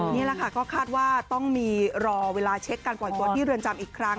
นี่แหละค่ะก็คาดว่าต้องมีรอเวลาเช็คการปล่อยตัวที่เรือนจำอีกครั้ง